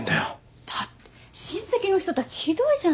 だって親戚の人たちひどいじゃない。